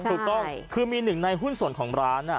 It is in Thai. ถูกต้องคือมีหนึ่งในหุ้นส่วนของร้าน